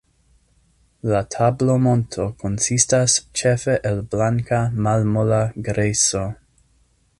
La tablomonto konsistas ĉefe el blanka, malmola grejso.